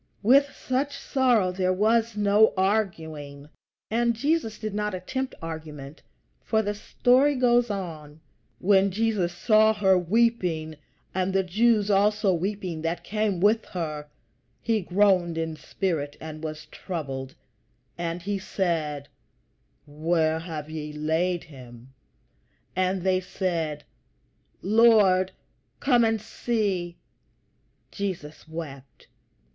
With such sorrow there was no arguing, and Jesus did not attempt argument; for the story goes on: "When Jesus saw her weeping, and the Jews also weeping that came with her, he groaned in spirit and was troubled; and he said, Where have ye laid him? And they said, Lord, come and see. Jesus wept."